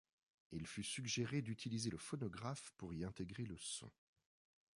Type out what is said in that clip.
Il fut suggéré d'utiliser le phonographe pour y intégrer le son.